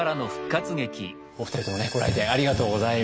お二人ともねご来店ありがとうございます。